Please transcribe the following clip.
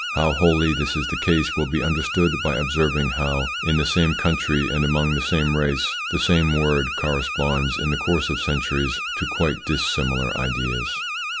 How wholly this is the case will be understood by observing how in the same country, and among the same race, the same word corresponds in the course of centuries to quite dissimilar ideas.